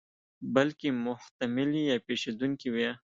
بلکې محتملې یا پېښېدونکې وي.